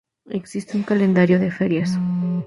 Existe un calendario de ferias.